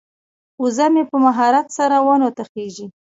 وزه مې په مهارت سره ونو ته خیژي.